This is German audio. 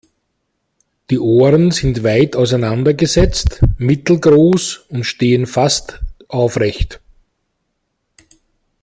Die Ohren sind weit auseinandergesetzt, mittelgroß und stehen fast aufrecht.